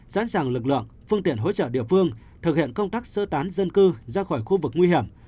sẵn sàng lực lượng phương tiện hỗ trợ địa phương thực hiện công tác sơ tán dân cư ra khỏi khu vực nguy hiểm